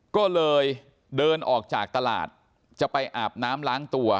ก็เลยเดินออกจากตลาดจะไปอาบน้ำล้างตัว